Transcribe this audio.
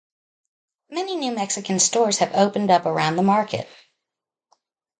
Many new Mexican stores have opened up around the market.